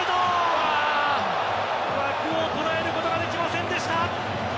枠を捉えることができませんでした。